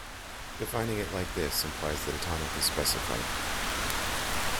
Defining it like this implies that a tonic is specified.